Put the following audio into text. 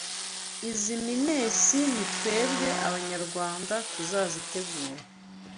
Izi mines ni twebwe abanyarwanda tuzazitegura